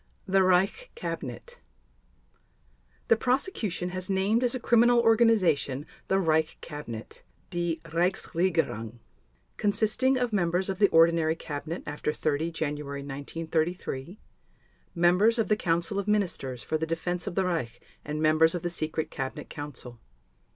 THE REICH CABINET The Prosecution has named as a criminal organization the Reich Cabinet (Die Reichsregierung) consisting of members of the ordinary cabinet after 30 January 1933, members of the Council of Ministers for the Defense of the Reich and members of the Secret Cabinet Council.